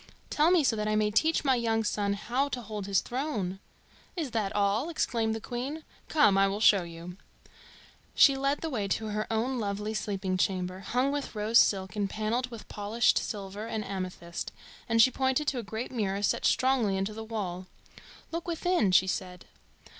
Tell me so that I may teach my young son how to hold his throne?" "Is that all?" exclaimed the Queen. "Come, I will show you." [Illustration: "She led the way to her own lovely sleeping chamber."] She led the way to her own lovely sleeping chamber, hung with rose silk and panelled with polished silver and amethyst, and she pointed to a great mirror set strongly into the wall. "Look within!" she said.